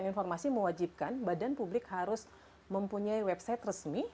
informasi mewajibkan badan publik harus mempunyai website resmi